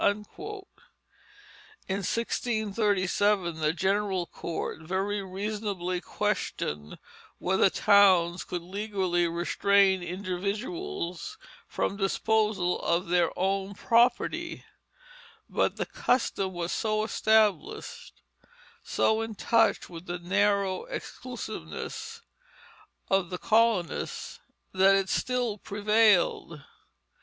In 1637 the General Court very reasonably questioned whether towns could legally restrain individuals from disposal of their own property, but the custom was so established, so in touch with the narrow exclusiveness of the colonists, that it still prevailed.